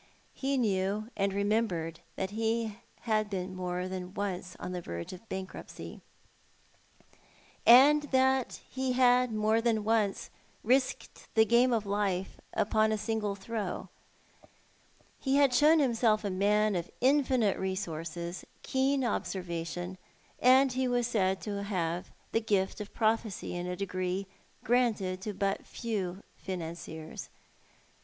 He knew and remembered that he had been more than once on the verge of bankruptcy, and that he had more than once risked the game of life upon a single throw. He had shown himself a man of infinite resources, keen observation, and he was said to have had the gift of prophecy in a degree granted to but few financiers.